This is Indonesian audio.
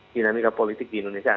dinamika politik di indonesia